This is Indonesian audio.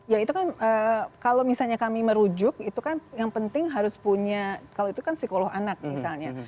ya itu kan kalau misalnya kami merujuk itu kan yang penting harus punya kalau itu kan psikolog anak misalnya